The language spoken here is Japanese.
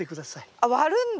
あっ割るんだ。